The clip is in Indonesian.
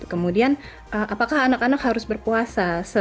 kemudian apakah anak anak harus berpuasa